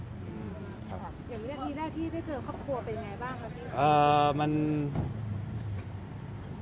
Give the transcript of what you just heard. อเรนนี่แรกที่ได้เจอครอบครัวเป็นอย่างไรบ้างครับ